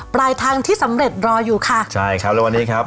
ปลายทางที่สำเร็จรออยู่ค่ะใช่ครับแล้ววันนี้ครับ